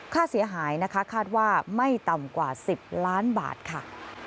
ค่าเสียหายนะคะคาดว่าไม่ต่ำกว่า๑๐ล้านบาทค่ะ